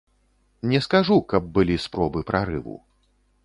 Не скажу, каб былі спробы прарыву.